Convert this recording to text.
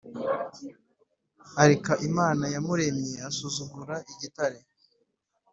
areka Imana yamuremye Asuzugura Igitare